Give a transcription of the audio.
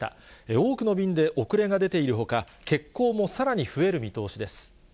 多くの便で遅れが出ているほか、欠航もさらに増える見通しです。